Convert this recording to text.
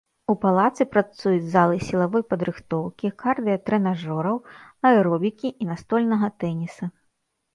У палацы працуюць залы сілавой падрыхтоўкі, кардыя-трэнажораў, аэробікі і настольнага тэніса.